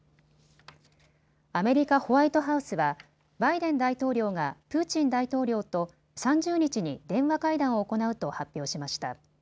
アメリカ・ホワイトハウスはバイデン大統領がプーチン大統領と３０日に電話会談を行うと発表しました。